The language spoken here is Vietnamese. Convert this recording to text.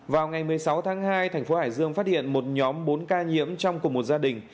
vào ngày một mươi sáu tháng hai thành phố hải dương phát hiện một nhóm bốn ca nhiễm trong cùng một gia đình